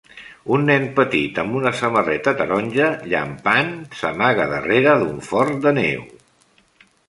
Un nen petit amb una samarreta taronja llampant s'amaga darrere d'un fort de neu.